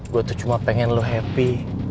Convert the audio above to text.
gue tuh cuma pengen lo happy